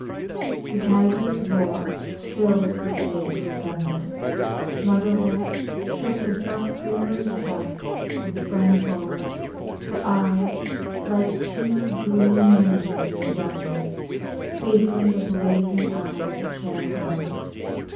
The tiger's roar filled the cave with thunder. Mother Wolf shook herself clear of the cubs and sprang forward, her eyes, like two green moons in the darkness, facing the blazing eyes of Shere Khan.